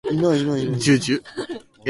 じゅじゅ